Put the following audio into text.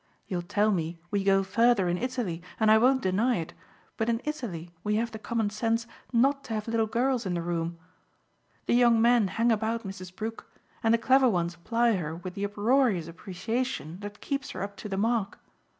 You'll tell me we go further in Italy, and I won't deny it, but in Italy we have the common sense not to have little girls in the room. The young men hang about Mrs. Brook, and the clever ones ply her with the uproarious appreciation that keeps her up to the mark.